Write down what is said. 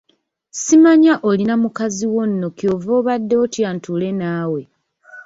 Simanyi olina mukaziwo nno ky’ova obadde otya ntuule naawe?